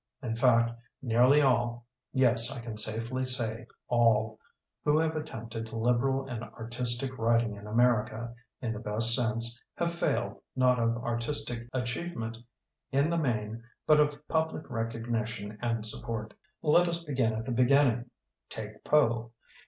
In fact, nearly all — ^yes, I can safely say all — ^who have attempted libextd and artistic writing in America, in the best sense, have failed not of artistic achievement in the main but of public recognition and support. "Let us begin at the beginning. Take Poe.